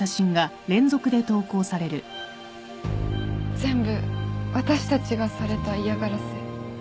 全部私たちがされた嫌がらせ。